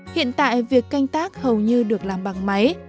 hiện tại việc canh tác hầu như được làm bằng máy